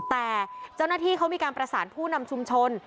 แต่เจ้าหน้าที่เขามีการประสานผู้นำชุมชน